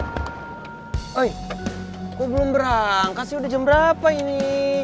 oi kok belum berangkas sih udah jam berapa ini